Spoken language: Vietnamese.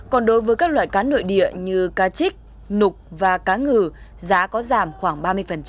còn đối với các loại cá nội địa như cá trích nục và cá ngừ giá có giảm khoảng ba mươi